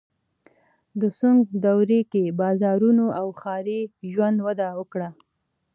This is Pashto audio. د سونګ دورې کې بازارونه او ښاري ژوند وده وکړه.